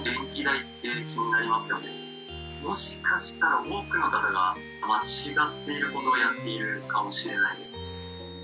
もしかしたら多くの方が間違っている事をやっているかもしれないです。